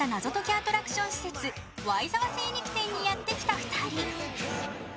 アトラクション施設、Ｙ澤精肉店にやってきた２人。